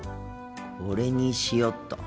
これにしよっと。